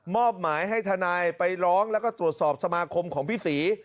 มอบหมายให้ทันายไปร้องและความตลอดสอบสมาคมของฟิษี